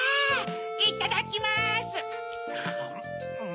いただきます！